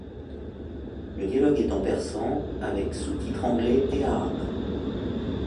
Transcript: Le dialogue est en persan avec sous-titres anglais et arabe.